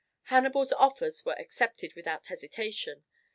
Hannibal's offers were accepted without hesitation.